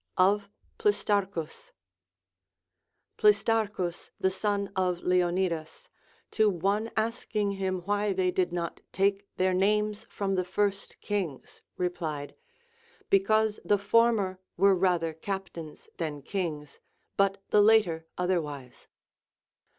Of Plisiarchns. Plistarchus the son of Leonidas, to one asking him why they did not take their names from the first kings, replied, Because the former were rather captains than kings, but the later otherwise.